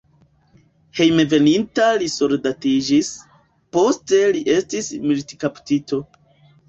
Hejmenveninta li soldatiĝis, poste li estis militkaptito.